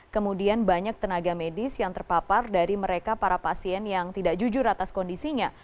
kemudian banyak tenaga medis yang terpapar dari mereka para pasien yang tidak jujur atas kondisinya